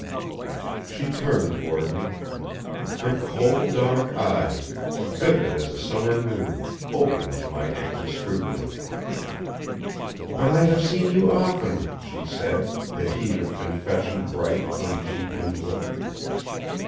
She turned toward me. Her kohl dark eyes, vivid as a summer noon, opened to my anxious scrutiny. "But I have seen you often," she said, the heat of confession bright on cheek and lip.